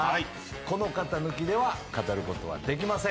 この方抜きでは語ることはできません。